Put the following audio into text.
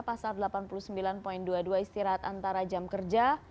pasal delapan puluh sembilan dua puluh dua istirahat antara jam kerja